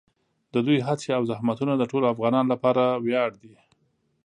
د دوی هڅې او زحمتونه د ټولو افغانانو لپاره ویاړ دي.